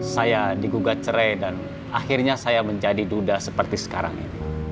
saya digugat cerai dan akhirnya saya menjadi duda seperti sekarang ini